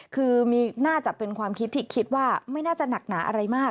คือน่าจะเป็นความคิดที่คิดว่าไม่น่าจะหนักหนาอะไรมาก